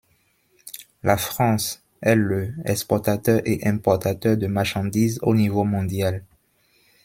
La France est le exportateur et importateur de marchandises au niveau mondial.